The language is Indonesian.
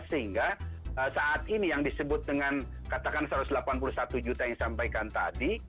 sehingga saat ini yang disebut dengan katakan satu ratus delapan puluh satu juta yang disampaikan tadi